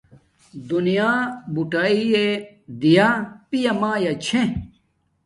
دونیات بوٹاݵݵ دییا پیامایا چھے